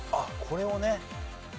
これをね。